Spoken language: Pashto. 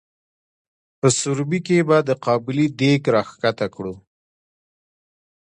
په سروبي کې به د قابلي دیګ را ښکته کړو؟